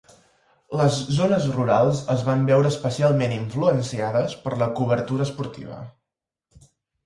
Les zones rurals es van veure especialment influenciades per la cobertura esportiva.